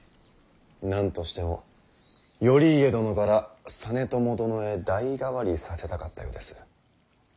何としても頼家殿から実朝殿へ代替わりさせたかったようです。